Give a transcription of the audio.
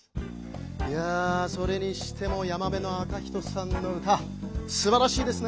いやそれにしても山部赤人さんの歌すばらしいですね。